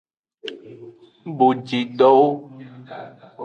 Bojidowo.